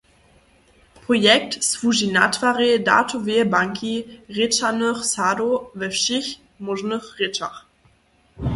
Projekt słuži natwarej datoweje banki rěčanych sadow we wšěch móžnych rěčach.